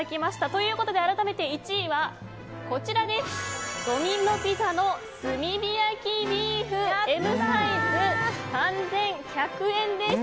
ということで、改めて１位はドミノ・ピザの炭火焼ビーフＭサイズ、３１００円です。